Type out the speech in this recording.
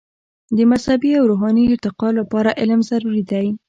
د مذهبي او روحاني ارتقاء لپاره علم ضروري دی.